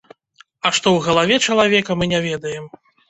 А што ў галаве чалавека, мы не ведаем.